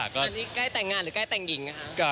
อันนี้ใกล้แต่งงานหรือใกล้แต่งหญิงนะคะ